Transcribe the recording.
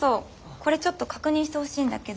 これちょっと確認してほしいんだけど。